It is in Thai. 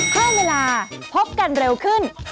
เพิ่มเวลาพบกันเร็วขึ้น